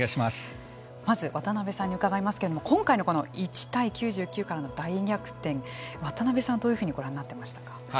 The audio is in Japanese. まず渡辺さんに伺いますけれども今回の１対９９からの大逆転渡辺さんは、どういうふうにご覧になっていましたか。